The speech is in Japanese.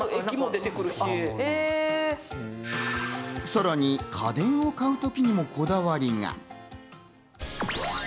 さらに家電を買う時にもこだわりが。